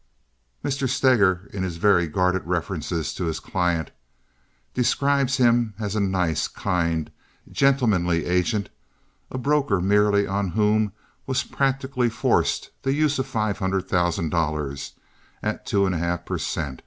Mr. Steger, in his very guarded references to his client, describes him as a nice, kind, gentlemanly agent, a broker merely on whom was practically forced the use of five hundred thousand dollars at two and a half per cent.